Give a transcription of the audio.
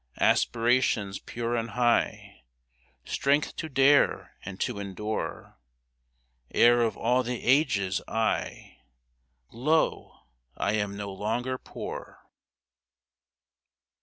Aspirations pure and high — Strength to dare and to endure — Heir of all the Ages, I — Lo ! I am no longer poor